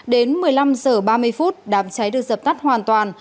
đến một mươi năm h ba mươi phút đám cháy được dập tắt hoàn toàn